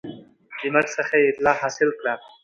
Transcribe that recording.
د مرګ څخه یې اطلاع حاصل کړه